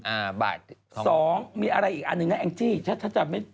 อาบาทของมีอะไรอีกอันหนึ่งนะแอ้งจิถ้าจะไม่